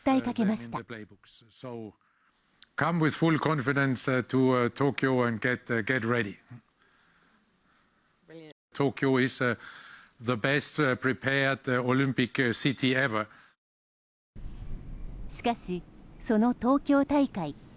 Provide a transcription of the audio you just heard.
しかし、その東京大会。